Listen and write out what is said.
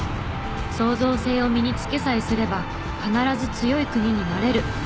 創造性を身につけさえすれば必ず強い国になれる。